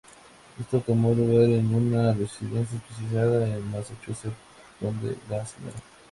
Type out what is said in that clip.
Esto tomó lugar en una residencia especializada en Massachusetts donde la Sra.